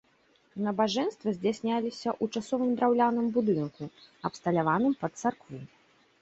Набажэнствы здзяйсняліся ў часовым драўляным будынку, абсталяваным пад царкву.